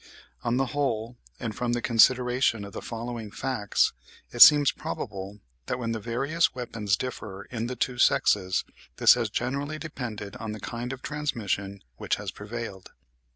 On the whole, and from the consideration of the following facts, it seems probable that when the various weapons differ in the two sexes, this has generally depended on the kind of transmission which has prevailed.